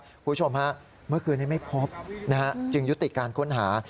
คุณผู้ชมฮะเมื่อคืนนี้ไม่พบนะฮะจึงยุติการค้นหา